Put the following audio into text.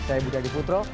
saya budi hadi putro